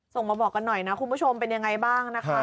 ส่งมาบอกกันหน่อยนะคุณผู้ชมเป็นยังไงบ้างนะคะ